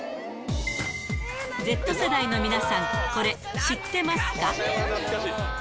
Ｚ世代の皆さん、これ、知ってますか？